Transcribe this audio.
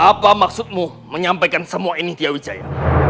apa maksudmu menyampaikan semua ini di awit jaya